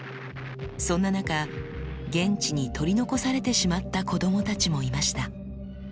そんな中現地に取り残されてしまった子供たちもいました。